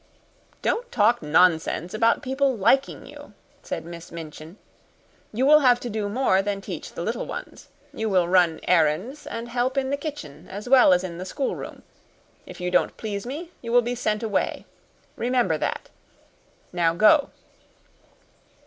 "Don't talk nonsense about people liking you," said Miss Minchin. "You will have to do more than teach the little ones. You will run errands and help in the kitchen as well as in the schoolroom. If you don't please me, you will be sent away. Remember that. Now go."